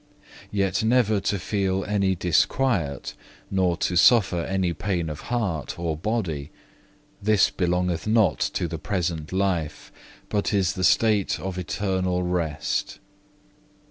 Yet never to feel any disquiet, nor to suffer any pain of heart or body, this belongeth not to the present life, but is the state of eternal rest.